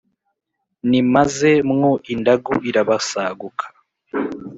Nimaze mwo indagu irabasaguka